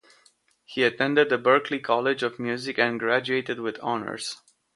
He attended the Berklee College of Music and graduated with honors.